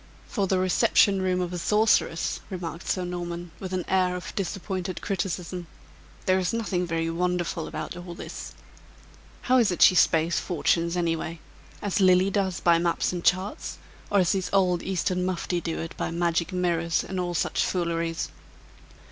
"For the reception room of a sorceress," remarked Sir Norman, with an air of disappointed criticism, "there is nothing very wonderful about all this. How is it she spaes fortunes any way? As Lilly does by maps and charts; or as these old Eastern mufti do it by magic mirrors and all each fooleries?"